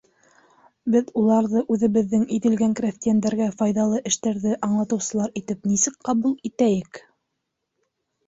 Беҙ уларҙы үҙебеҙҙең иҙелгән крәҫтиәндәргә файҙалы эштәрҙе аңлатыусылар итеп нисек ҡабул итәйек?